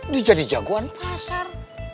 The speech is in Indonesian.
dijadi jagoan pasar